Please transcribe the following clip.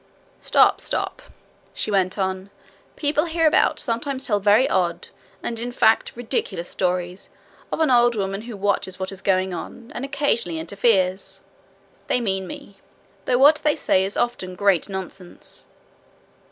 'Stop, stop,' she went on. 'People hereabout sometimes tell very odd and in fact ridiculous stories of an old woman who watches what is going on, and occasionally interferes. They mean me, though what they say is often great nonsense.